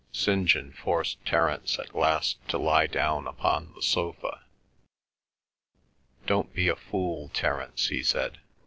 St. John forced Terence at last to lie down upon the sofa. "Don't be a fool, Terence," he said.